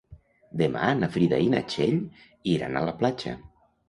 Demà na Frida i na Txell iran a la platja.